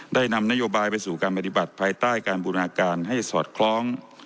ได้นำนโยบายไปสู่การปฏิบัติภายใต้การบูรณาการให้สอดคล้อง